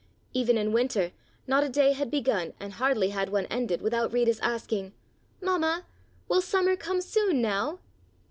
Even in Winter not a day had begun and hardly had one ended without Rita's asking: "Mamma, will Summer come soon now?"